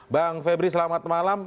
bang febri selamat malam